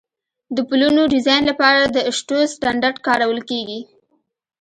د پلونو ډیزاین لپاره د اشټو سټنډرډ کارول کیږي